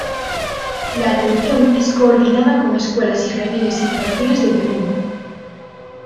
La atención es coordinada con escuelas y jardines infantiles de Temuco.